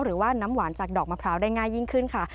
หรือว่าน้ำหวานจากดอกมะพร้าวได้ง่ายยิ่งขึ้นค่ะ